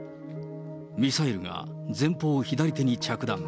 ミサイルが前方左手に着弾。